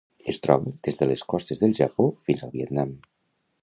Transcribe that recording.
Es troba des de les costes del Japó fins al Vietnam.